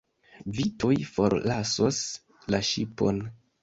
Vi tuj forlasos la ŝipon.